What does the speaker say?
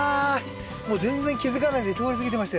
もう全然気付かないで通り過ぎてましたよ。